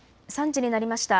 ３時になりました。